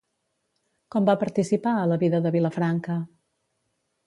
Com va participar a la vida de Vilafranca?